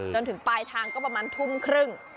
จนถึงปลายทางก็ประมาณทุ่มครึ่ง